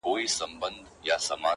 زه سلطان یم د هوا تر آسمانونو.!